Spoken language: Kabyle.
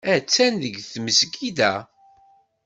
Attan deg tmesgida.